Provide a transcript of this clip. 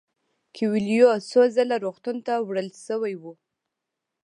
کویلیو څو ځله روغتون ته وړل شوی و.